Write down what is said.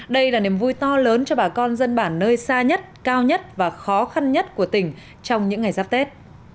đây là niềm vui to lớn cho bà con dân bản nơi xa nhất cao nhất và khó khăn nhất của tỉnh trong những ngày giáp tết